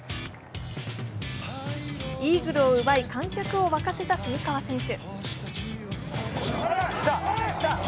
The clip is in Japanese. イーグルを奪い、観客を沸かせた蝉川選手。